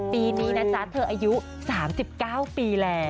ปีนี้นะจ๊ะเธออายุ๓๙ปีแล้ว